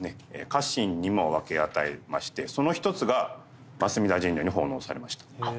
家臣にも分け与えましてその一つが真清田神社に奉納されました。